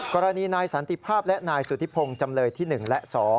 กรณีนายสันติภาพและนายสุธิพงศ์จำเลยที่๑และ๒